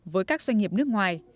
với các doanh nghiệp nước ngoài